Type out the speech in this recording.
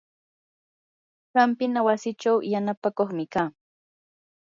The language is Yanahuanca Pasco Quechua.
hampina wasichaw yanapakuqmi kaa.